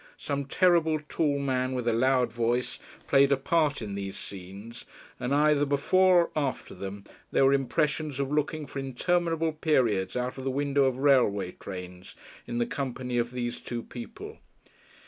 Some terrible tall man with a loud voice played a part in these scenes, and either before or after them there were impressions of looking for interminable periods out of the windows of railway trains in the company of these two people....